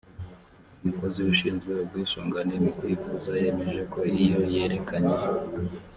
umukozi ushinzwe ubwisungane mu kwivuza yemeje ko iyo yerekanye